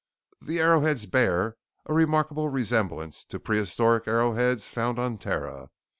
The arrowheads bear a remarkable resemblance to prehistoric arrowheads found on Terra.